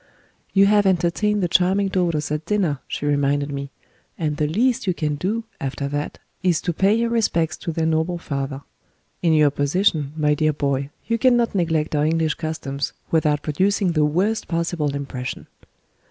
"You have entertained the charming daughters at dinner," she reminded me; "and the least you can do, after that, is to pay your respects to their noble father. In your position, my dear boy, you cannot neglect our English customs without producing the worst possible impression."